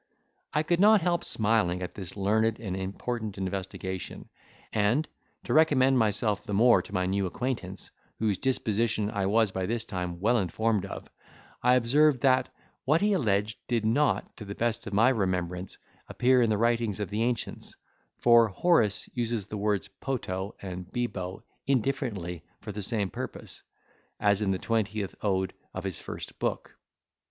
I could not help smiling at this learned and important investigation; and, to recommend myself the more to my new acquaintance, whose disposition I was by this time well informed of, I observed that, what he alleged, did not, to the best of my remembrance, appear in the writings of the ancients; for Horace uses the words poto and bibo indifferently for the same purpose, as in the twentieth Ode of his first Book.